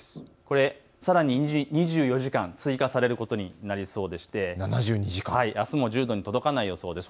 さらに２４時間、追加されることになりそうであすも１０度に届かない予想です。